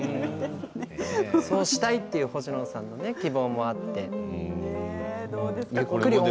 そうしたいという星野さんの希望もあって。